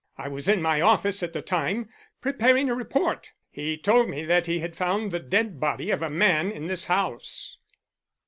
I was in my office at the time, preparing a report. He told me that he had found the dead body of a man in this house."